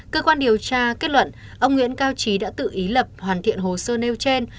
cơ quan điều tra kết luận ông nguyễn cao trí đã tự ý lập hoàn thiện hồ sơ nêu trên